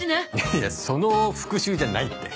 いやその復習じゃないって。